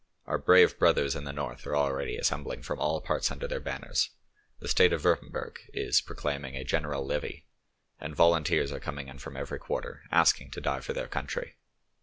Our brave brothers in the north are already assembling from all parts under their banners; the State of Wurtemburg is, proclaiming a general levy, and volunteers are coming in from every quarter, asking to die for their country.